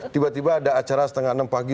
tiba tiba ada acara setengah enam pagi